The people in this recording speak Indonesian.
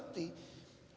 bagi ahok risma juga ngeri